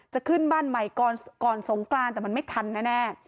ขึ้นบ้านใหม่ก่อนสงกรานแต่มันไม่ทันแน่